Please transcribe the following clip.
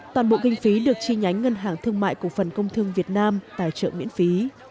toàn bộ kinh phí được chi nhánh ngân hàng thương mại cổ phần công thương việt nam tài trợ miễn phí